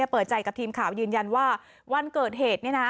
เปิดใจกับทีมข่าวยืนยันว่าวันเกิดเหตุ